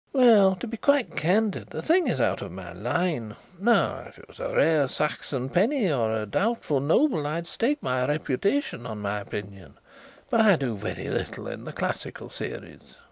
"Well, to be quite candid, the thing is out of my line. Now if it was a rare Saxon penny or a doubtful noble I'd stake my reputation on my opinion, but I do very little in the classical series."